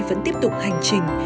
vẫn tiếp tục hành trình